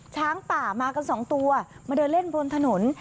ช้างป่ามากันสองตัวมาเดินเล่นบนถนน